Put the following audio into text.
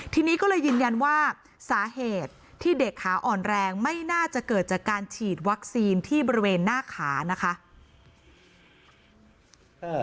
ทีนี้ก็เลยยืนยันว่าสาเหตุที่เด็กขาอ่อนแรงไม่น่าจะเกิดจากการฉีดวัคซีนที่บริเวณหน้าขานะคะ